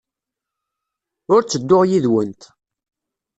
Ur ttedduɣ yid-went.